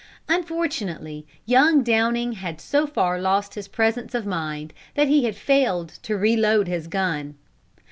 Unfortunately young Downing had so far lost his presence of mind, that he had failed to reload his gun.